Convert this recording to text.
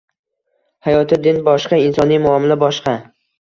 Hayotda din boshqa insoniy muomila boshqa.